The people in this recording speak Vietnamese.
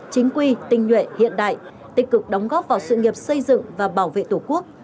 chính quy tinh nhuệ hiện đại tích cực đóng góp vào sự nghiệp xây dựng và bảo vệ tổ quốc